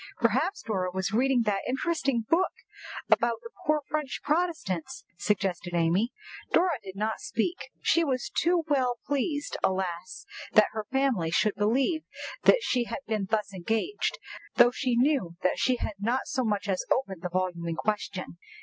"Perhaps Dora was reading that interesting book about the poor French Protestants," suggested Amy. Dora did not speak. She was too well pleased, alas! that her family should believe that she had been thus engaged, though she knew that she had not so much as opened the volume in question.